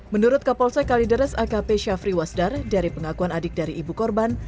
menurut kapolsek kalideres akp syafri wasdar dari pengakuan adik dari ibu korban